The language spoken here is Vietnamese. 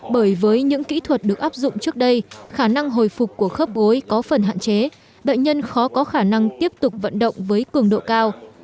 bởi với những kỹ thuật được áp dụng trước đây khả năng hồi phục của khớp gối có phần hạn chế bệnh nhân khó có khả năng tiếp tục vận động với cường độ cao